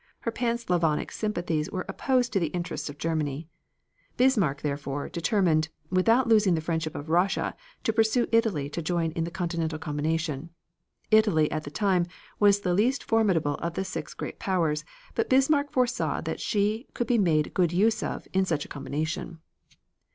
Her Pan Slavonic sympathies were opposed to the interests of Germany. Bismarck, therefore, determined, without losing the friendship of Russia, to persuade Italy to join in the continental combination. Italy, at the time, was the least formidable of the six great powers, but Bismarck foresaw that she could be made good use of in such a combination.